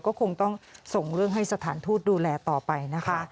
ก็คงต้องส่งเรื่องให้สถานทูตดูแลต่อไปนะคะ